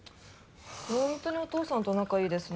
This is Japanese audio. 本当にお父さんと仲いいですね。